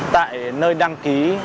tại nơi đăng ký